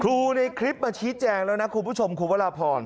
ในคลิปมาชี้แจงแล้วนะคุณผู้ชมคุณวราพร